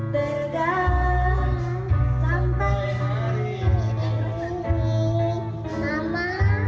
tegang sampai kini